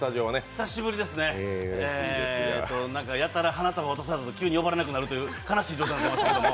久しぶりですね、やたら花束を渡されて急に呼ばれなくなるっていう事態になってますけども。